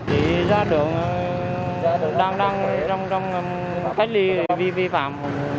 thì ra đường đang đang đang đang cái đi vi phạm